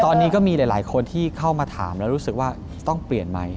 ตอนนี้ก็มีหลายคนที่เข้ามาถามแล้วรู้สึกว่าต้องเปลี่ยนใหม่